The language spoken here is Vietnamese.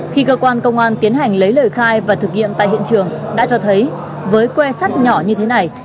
khi cơ quan công an tiến hành lấy lời khai và thực hiện tại hiện trường đã cho thấy với que sắt nhỏ như thế này